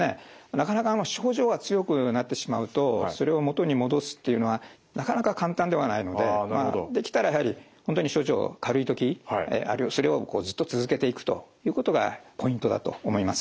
なかなか症状が強くなってしまうとそれを元に戻すっていうのはなかなか簡単ではないのでできたらやはり本当に症状軽い時それをずっと続けていくということがポイントだと思います。